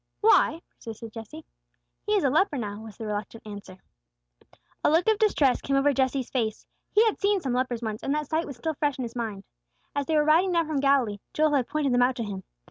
"Why?" persisted Jesse. "He is a leper now," was the reluctant answer. A look of distress came over Jesse's face. He had seen some lepers once, and the sight was still fresh in his mind. As they were riding down from Galilee, Joel had pointed them out to him.